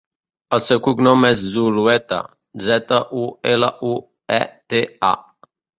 El seu cognom és Zulueta: zeta, u, ela, u, e, te, a.